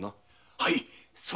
はい。